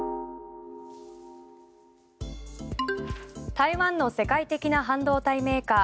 台湾の世界的な半導体メーカー